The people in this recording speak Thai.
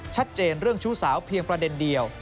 ชัดเจนเรื่องชู้สาวเพียงประเด็นเดียว